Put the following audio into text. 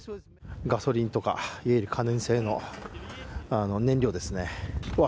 ガソリンとか、いわゆる可燃性の燃料ですね。